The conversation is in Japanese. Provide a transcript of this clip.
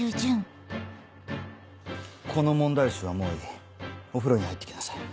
この問題集はもういいお風呂に入って来なさい。